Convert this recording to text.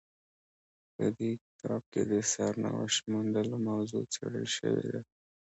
په دې کتاب کې د سرنوشت موندلو موضوع څیړل شوې ده.